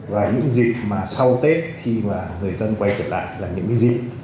và những dịp mà sau tết khi mà người dân quay trở lại là những cái dịp